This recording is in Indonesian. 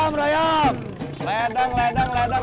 berapa watt masas